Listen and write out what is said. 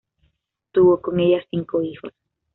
Tuvo con ella cinco hijos.